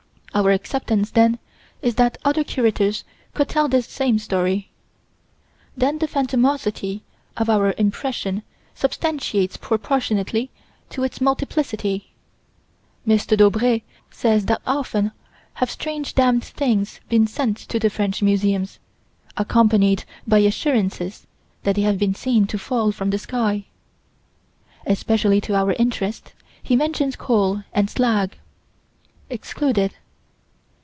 Our acceptance, then, is that other curators could tell this same story. Then the phantomosity of our impression substantiates proportionately to its multiplicity. M. Daubrée says that often have strange damned things been sent to the French museums, accompanied by assurances that they had been seen to fall from the sky. Especially to our interest, he mentions coal and slag. Excluded.